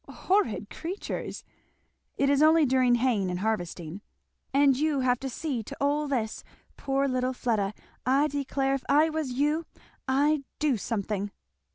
"Horrid creatures!" "It is only during haying and harvesting." "And you have to see to all this! poor little Fleda! I declare, if I was you I'd do something!